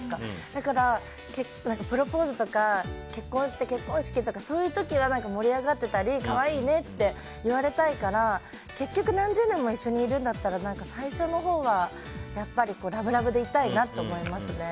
だから、プロポーズとか結婚して、結婚式とかそういう時は盛り上がってたり可愛いねって言われたいから結局、何十年も一緒にいるんだったら最初のほうはラブラブでいたいなと思いますね。